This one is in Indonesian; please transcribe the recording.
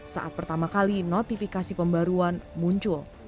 saat pertama kali notifikasi pembaruan muncul